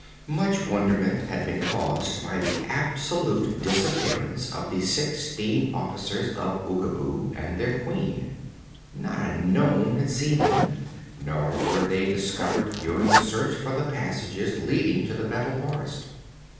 Much wonderment had been caused by the absolute disappearance of the sixteen officers of Oogaboo and their Queen. Not a nome had seen them, nor were they discovered during the search for the passages leading to the Metal Forest.